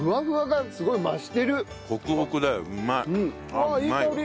あっいい香り！